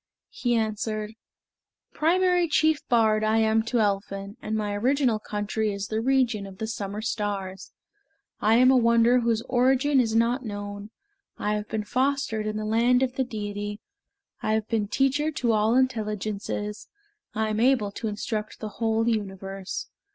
He answered: "Primary chief bard I am to Elphin, And my original country is the region of the summer stars; I am a wonder whose origin is not known; I have been fostered in the land of the Deity, I have been teacher to all intelligences, I am able to instruct the whole universe.